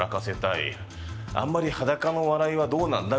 あんまり裸の笑いはどうなんだ？